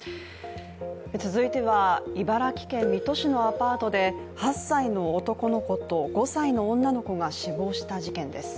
続いては、茨城県水戸市のアパートで８歳の男の子と、５歳の女の子が死亡した事件です。